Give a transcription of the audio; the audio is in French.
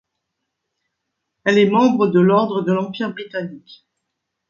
Elle est membre de l'Ordre de l'Empire britannique.